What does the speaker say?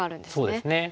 そうですね。